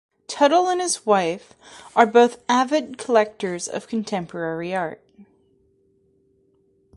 Tuttle and his wife are both avid collectors of contemporary art.